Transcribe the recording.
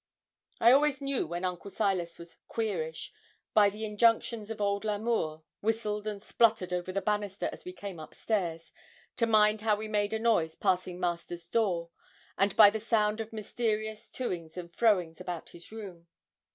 I always knew when Uncle Silas was 'queerish,' by the injunctions of old L'Amour, whistled and spluttered over the banister as we came up stairs, to mind how we made a noise passing master's door; and by the sound of mysterious to ings and fro ings about his room.